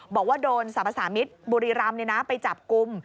บอกว่าโดนสรรพสามิตรบุรีรำไปจับกลุ่ม